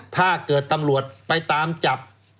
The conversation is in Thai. ถ้าเกิดตำรวจไปตามจับ